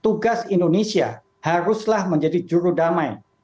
tugas indonesia haruslah menjadi jurudamai